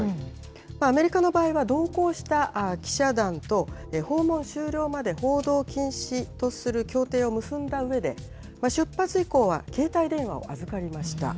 アメリカの場合は同行した記者団と訪問終了まで報道禁止とする協定を結んだうえで、出発以降は携帯電話を預かりました。